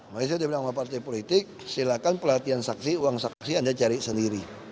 makanya saya dia bilang sama partai politik silakan pelatihan saksi uang saksi anda cari sendiri